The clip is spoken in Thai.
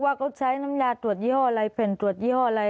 ว่าเขาใช้น้ำยาตรวจยี่ห้ออะไรแผ่นตรวจยี่ห้ออะไร